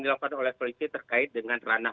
dilakukan oleh polisi terkait dengan ranah